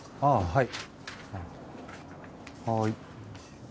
はい。